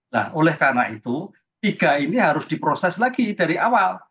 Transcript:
nah oleh karena itu tiga ini harus diproses lagi dari awal